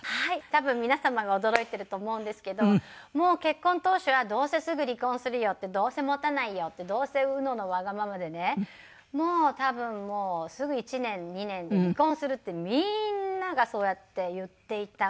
多分皆様が驚いていると思うんですけどもう結婚当初はどうせすぐ離婚するよってどうせもたないよってどうせうののわがままでね多分もうすぐ１年２年で離婚するってみんながそうやって言っていた。